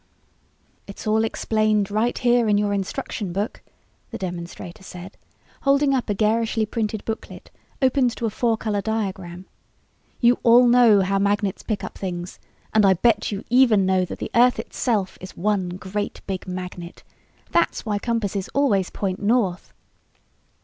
"It's all explained right here in your instruction book," the demonstrator said, holding up a garishly printed booklet opened to a four color diagram. "You all know how magnets pick up things and I bet you even know that the earth itself is one great big magnet that's why compasses always point north.